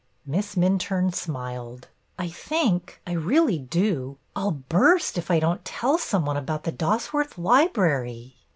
Miss Minturne smiled. '' I think — I really do — I 'll hurst if I don't tell some one about Dosworth Library."